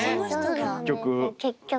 結局。